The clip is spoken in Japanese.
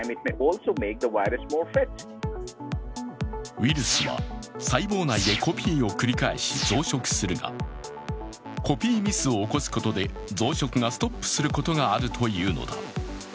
ウイルスは細胞内でコピーを繰り返し増殖するがコピーミスを起こすことで増殖がストップすることがあるというのだ。